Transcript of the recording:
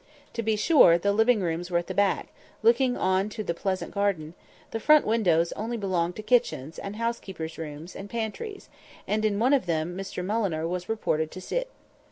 To be sure, the living rooms were at the back, looking on to a pleasant garden; the front windows only belonged to kitchens and housekeepers' rooms, and pantries, and in one of them Mr Mulliner was reported to sit.